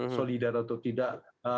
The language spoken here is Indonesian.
solidar atau tidak